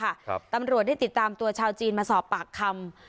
ตำรวจได้ติดตามตัวชาวจีนมาสอบปากคำ